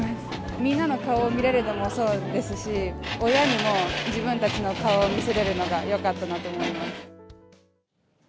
みんなの顔を見られるのもそうですし、親にも自分たちの顔を見せれるのがよかったなと思います。